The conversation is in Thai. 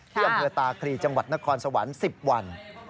ที่อำเภอตาคลีจังหวัดนครสวรรค์๑๐วัน